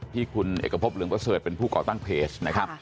ที่คุณเอกพบเหลืองประเสริฐเป็นผู้ก่อตั้งเพจนะครับ